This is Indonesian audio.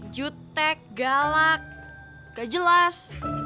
jutek galak gak jelas